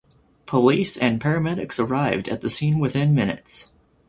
Police and paramedics arrived at the scene within minutes.